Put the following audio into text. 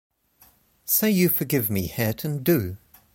Say you forgive me, Hareton, do.